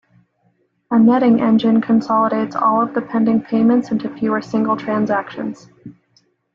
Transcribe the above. A netting engine consolidates all of the pending payments into fewer single transactions.